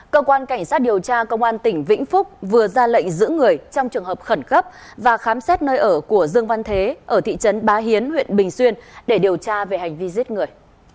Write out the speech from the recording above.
cơ quan cảnh sát điều tra công an tỉnh vĩnh phúc vừa ra lệnh giữ người trong trường hợp khẩn cấp và khám xét nơi ở của dương văn thế ở thị trấn bá hiến huyện bình xuyên để điều tra về hành vi giết người